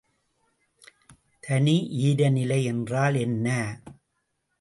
தனி ஈரநிலை என்றால் என்ன?